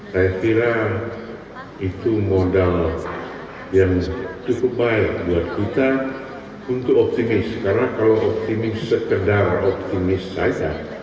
saya kira itu modal yang cukup baik buat kita untuk optimis karena kalau optimis sekedar optimis saja